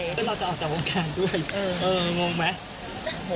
เพื่อนเราจะออกจากวงการด้วยงงไหม